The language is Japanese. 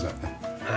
はい。